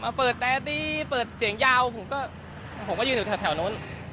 มาเปิดแต๊ะตี้เปิดเสียงยาวผมก็ผมก็ยืนถึงแถวโน้น